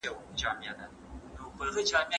یرغمل نیول شوي ژر خوشې کیږي.